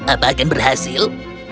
apakah akan berhasil